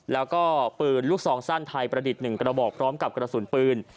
แล้วก็ปืนลูกซองสั้นไทยประดิษฐ์๑กระบอกพร้อมกับกระสุนปืน